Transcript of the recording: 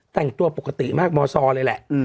แต่งตัวปกติมากมซอเลยแหละ